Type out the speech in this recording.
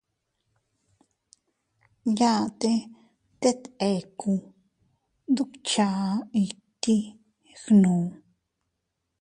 Yaʼte tet eku, dukcha iti gnu.